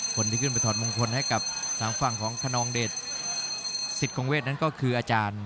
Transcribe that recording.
คนที่ขึ้นไปถอดมงคลให้กับทางฝั่งของคนนองเดชสิทธิ์คงเวทนั้นก็คืออาจารย์